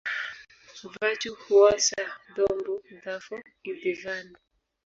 Vachu huosa dhombo dhavo idhivani